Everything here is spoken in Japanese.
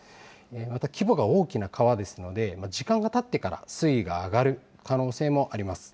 また規模が大きな川ですので、時間がたってから水位が上がる可能性もあります。